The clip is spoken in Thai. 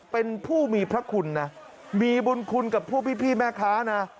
เป็นผู้มีพระคุณนะมีบุญคุณกับพวกพี่แม่ค้านะ